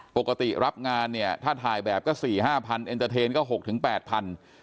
ปกติรับงานถ้าถ่ายแบบก็๔๕พันเอ็นเตอร์เทนก็๖๘พัน